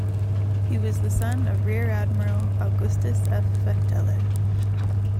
He was the son of Rear Admiral Augustus F. Fechteler.